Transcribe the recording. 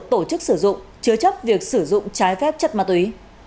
tổ chức sử dụng chứa chấp việc sử dụng trái phép chất ma túy